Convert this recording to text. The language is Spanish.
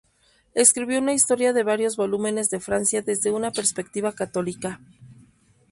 Escribió una historia de varios volúmenes de Francia desde una perspectiva católica.